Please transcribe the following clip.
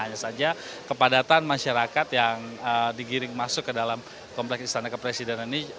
hanya saja kepadatan masyarakat yang digiring masuk ke dalam kompleks istana kepresidenan ini